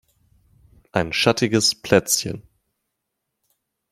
Ein schattiges Plätzchen.